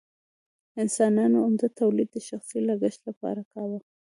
انسانانو عمده تولید د شخصي لګښت لپاره کاوه.